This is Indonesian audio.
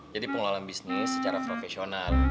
jadi pengelolaan bisnis secara profesional